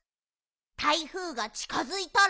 台風がちかづいたら。